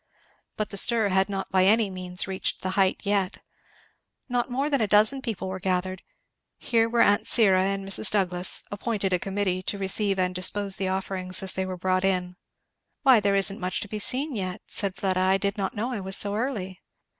But the stir had not by any means reached the height yet. Not more than a dozen people were gathered. Here were aunt Syra and Mrs. Douglass, appointed a committee to receive and dispose the offerings as they were brought in. "Why there is not much to be seen yet," said Fleda. "I did not know I was so early."